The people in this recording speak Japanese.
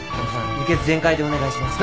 輸血全開でお願いします。